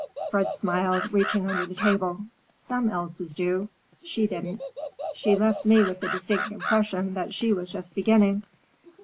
Fred smiled, reaching under the table. "Some Elsas do; she didn't. She left me with the distinct impression that she was just beginning.